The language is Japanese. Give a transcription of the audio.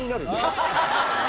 ハハハハ！